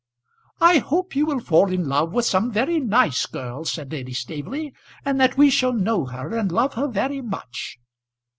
"I hope you will fall in love with some very nice girl," said Lady Staveley; "and that we shall know her and love her very much."